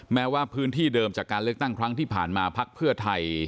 แม้ว่าพื้นที่เดิมจากการเลือกตั้งครั้งที่ผ่านมาพักเพื่อไทย